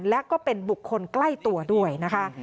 และก็เป็นบุคคลใกล้ตัวด้วยนะคะ